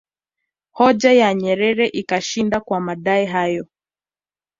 Hoja ya Nyerere ikashinda kwa madai hayo